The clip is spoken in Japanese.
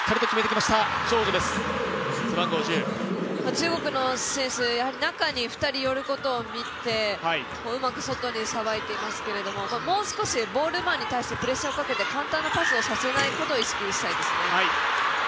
中国の選手、中に２人寄ることを見て、うまく外にさばいていますけれども、もう少しボール前に対してプレッシャーをかけて、簡単なパスをさせないことを意識したいですね。